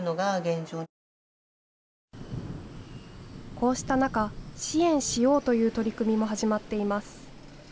こうした中、支援しようという取り組みも始まっています。